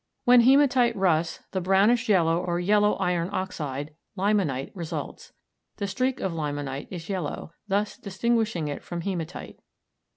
When hematite rusts, the brownish yellow or yellow iron oxide, limonite, results. The streak of limonite is yellow, thus distinguishing it from hematite.